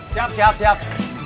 siap siap siap